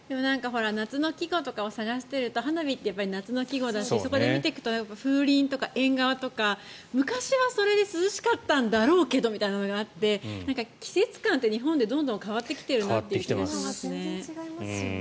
夏の季語を探すと花火って夏の季語だしそこで見ていくと風鈴とか縁側とか昔はそれで涼しかったんだろうけどというのがあるけど季節感って日本ってどんどん変わってきてるなという気がしますね。